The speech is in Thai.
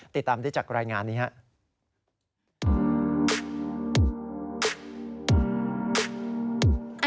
ติดตามได้จากรายงานนี้ครับ